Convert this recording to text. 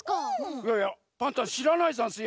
いやいやパンタンしらないざんすよ。